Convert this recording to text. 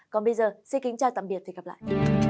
còn bây giờ xin kính chào tạm biệt và hẹn gặp lại